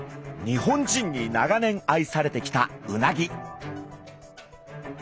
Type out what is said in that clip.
日本人に長年愛されてきたうなぎ。